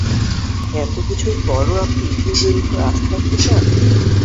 এত কিছুর পরও আপনি ইহুদীদের উপর আস্থা রাখতে চান?